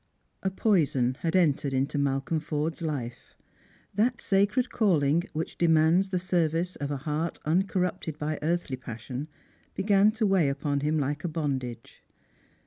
A poison had entered into Malcolm Forde's Ufe. That sacred calling which demands the service of a heart nncorrupted by earthly passion began to weigh upon him like a bondage.